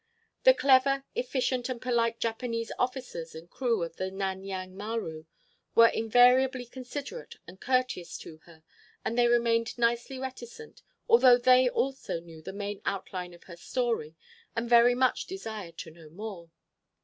The clever, efficient and polite Japanese officers and crew of the Nan yang Maru were invariably considerate and courteous to her, and they remained nicely reticent, although they also knew the main outline of her story and very much desired to know more.